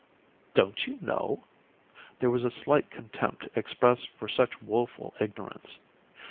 "Don't you know?" There was a slight contempt expressed for such woeful ignorance.